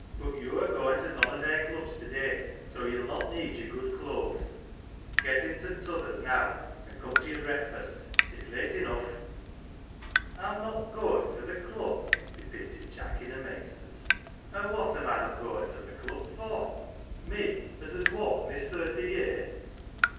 "But you're going to none o' their clubs to <lay, so ye'll not need your good clothes. Get into the Mothers now, and come to your breakfast. It's late enough." 'Tin not goin' to the Club?" repeated Jack in amazement. " An' what am I not goin 1 to the Club for ? me as has walked this thirty year."